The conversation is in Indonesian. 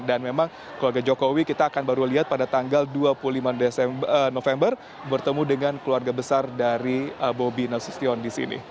dan memang keluarga jokowi kita akan baru lihat pada tanggal dua puluh lima november bertemu dengan keluarga besar dari bobi nasution disini